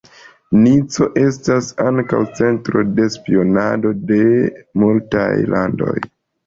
Nico estis ankaŭ centro de spionado de multaj landoj.